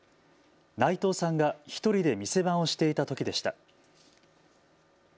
内藤さんが１人で店番をしていたときでした。